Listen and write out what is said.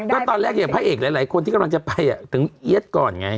ก็ตอนแรกอย่างพระเอกหลายคนที่กำลังจะไปถึงเอี๊ยดก่อนไง